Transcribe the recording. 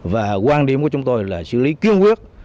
và quan điểm của chúng tôi là xử lý cương quyết